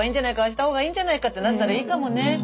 あした方がいいんじゃないかってなったらいいかもね。